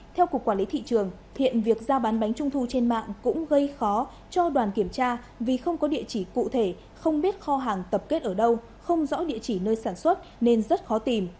theo cục quản lý thị trường hiện việc giao bán bánh trung thu trên mạng cũng gây khó cho đoàn kiểm tra vì không có địa chỉ cụ thể không biết kho hàng tập kết ở đâu không rõ địa chỉ nơi sản xuất nên rất khó tìm